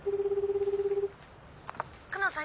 久能さん